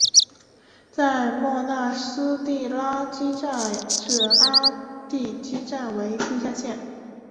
在莫纳斯蒂拉基站至阿蒂基站为地下线。